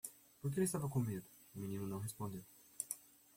Porque ele estava com medo? o menino não respondeu.